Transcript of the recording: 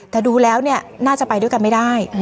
แต่ดูแล้วเนี่ยน่าจะไปด้วยกันไม่ได้